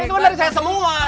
itu dari saya semua